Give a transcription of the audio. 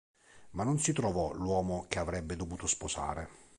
Ma non si trovò l'uomo che avrebbe dovuto sposare.